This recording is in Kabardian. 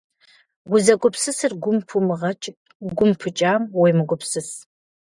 Узэгупсысыр гум пумыгъэкӏ, гум пыкӏам уемыгупсыс.